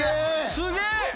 すげえ！